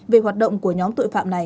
về hoạt động của nhóm tội phạm này